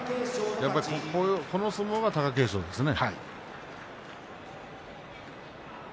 この相撲が貴景勝ですね。